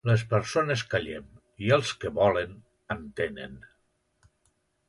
Les persones callem, i els que volen, entenen.